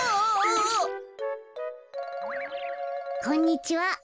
こんにちは。